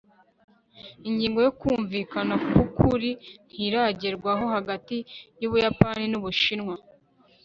ingingo yo kumvikana kwukuri ntiragerwaho hagati yubuyapani nu bushinwa